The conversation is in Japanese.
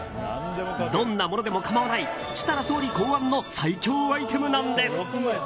どんなものでも構わない設楽総理考案の最強アイテムなんです。